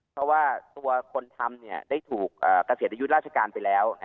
เพราะว่าตัวคนทำได้ถูกเกษียณอายุราชการไปแล้ว